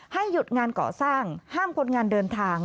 หยุดงานก่อสร้างห้ามคนงานเดินทาง